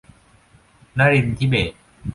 นรินทร์ธิเบศร์